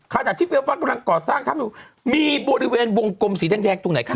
ขนาดที่เฟียร์ฟันบรรคก่อสร้างมีบริเวณวงกลมสีแดงตรงไหนครับ